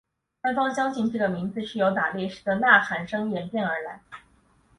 官方相信这个名字是由打猎时的呐喊声演变而来。